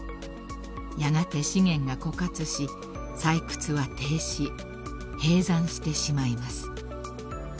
［やがて資源が枯渇し採掘は停止閉山してしまいます］